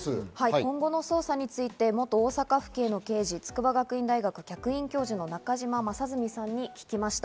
今後の捜査について元大阪府警の刑事、筑波学院大学客員教授・中島正純さんに聞きました。